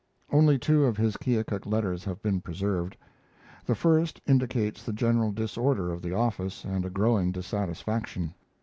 Only two of his Keokuk letters have been preserved. The first indicates the general disorder of the office and a growing dissatisfaction.